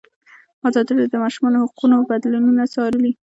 ازادي راډیو د د ماشومانو حقونه بدلونونه څارلي.